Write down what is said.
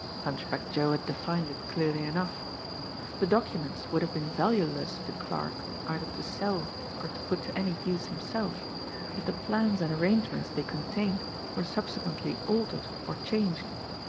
Hunchback Joe had defined it clearly enough. The documents would have been valueless to Clarke, either to sell, or to put to any use himself, if the plans and arrangements they contained were subsequently altered or changed.